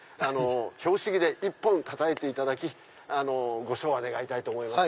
拍子木で一本たたいていただきご唱和願いたいと思います。